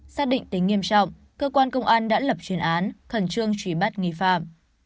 xác định tính nghiêm trọng cơ quan công an đã lập chuyên án khẩn trương truy bắt nghi phạm